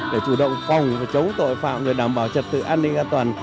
để chủ động phòng và chống tội phạm để đảm bảo trật tự an ninh an toàn